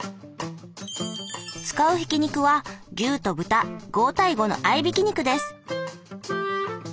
使うひき肉は牛と豚５対５の合いびき肉です。